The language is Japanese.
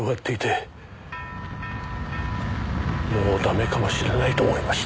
もうダメかもしれないと思いました。